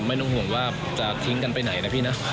ไม่ต้องห่วงว่าจะทิ้งกันไปไหนนะพี่นะ